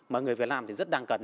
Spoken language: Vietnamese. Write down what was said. mà người việt nam thì rất đang cần